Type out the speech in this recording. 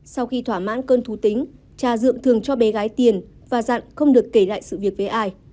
sau khi thỏa mãn cơn thú tính cha dượm thường cho bé gái tiền và dặn không được kể lại sự việc với ai